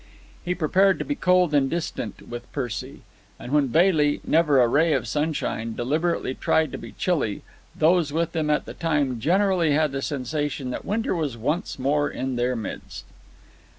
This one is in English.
He prepared to be cold and distant with Percy. And when Bailey, never a ray of sunshine, deliberately tried to be chilly, those with him at the time generally had the sensation that winter was once more in their midst.